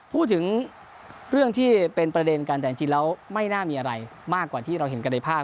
พูดถึงเรื่องที่เป็นประเด็นกันแต่จริงแล้วไม่น่ามีอะไรมากกว่าที่เราเห็นกันในภาพ